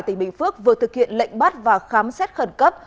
tỉnh bình phước vừa thực hiện lệnh bắt và khám xét khẩn cấp